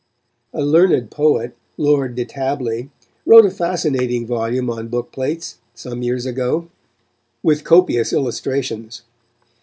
A learned poet, Lord De Tabley, wrote a fascinating volume on book plates, some years ago, with copious illustrations.